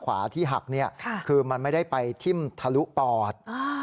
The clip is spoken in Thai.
ขวาที่หักคือมันไม่ได้ไปทิ่มทะลุปอด